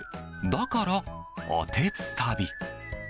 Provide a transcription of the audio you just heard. だから、おてつたび。